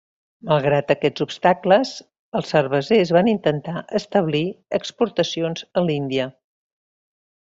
Malgrat aquests obstacles, els cervesers van intentar establir exportacions a l'Índia.